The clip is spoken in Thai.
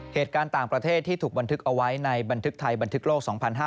เหตุการณ์ต่างประเทศที่ถูกบันทึกเอาไว้ในบันทึกไทยบันทึกโลก๒๕๕๙